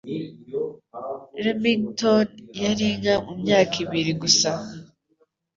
Remington yari inka mumyaka ibiri gusa.